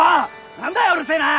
何だようるせえな！